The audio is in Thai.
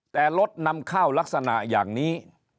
แต่รถนำเข้าลักษณะอย่างนี้